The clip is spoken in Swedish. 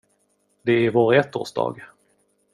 Det är vår ettårsdag.